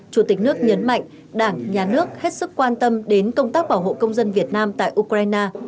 chủ tịch nước nhấn mạnh đảng nhà nước hết sức quan tâm đến công tác bảo hộ công dân việt nam tại ukraine